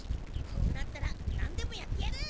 こうなったらなんでもやってやる！